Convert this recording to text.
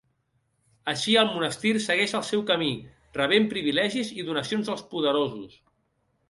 Així, el monestir segueix el seu camí, rebent privilegis i donacions dels poderosos.